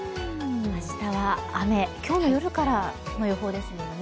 明日は雨今日の夜からの予報ですもんね。